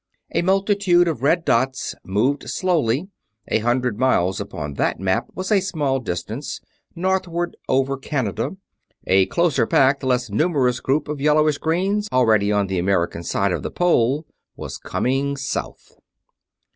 A multitude of red dots moved slowly a hundred miles upon that map was a small distance northward over Canada; a closer packed, less numerous group of yellowish greens, already on the American side of the Pole, was coming south.